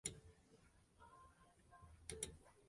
Wy ite by in restaurant en kuierje noch efkes oer de merk.